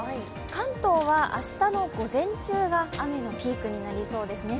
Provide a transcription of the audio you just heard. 関東は明日の午前中が雨のピークになりそうですね。